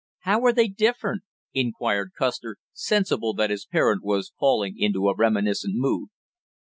"How were they different?" inquired Custer, sensible that his parent was falling into a reminiscent mood.